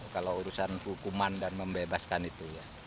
kalau urusan hukuman dan membebaskan itu